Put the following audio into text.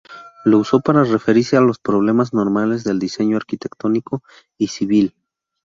Lo usó para referirse a los problemas normales del diseño arquitectónico y civil.